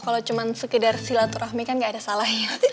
kalau cuma sekedar silaturahmi kan gak ada salahnya